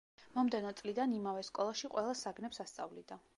მომდევნო წლიდან იმავე სკოლაში ყველა საგნებს ასწავლიდა.